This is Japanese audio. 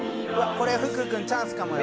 これ福君チャンスかもよ。